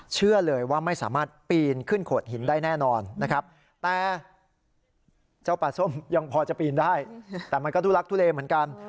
เจ้าปลาส้มยังพอจะปีนได้แต่มันก็ทุลักทุเลเหมือนกัน